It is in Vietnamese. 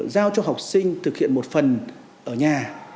giao cho học sinh thực hiện một phần ở nhà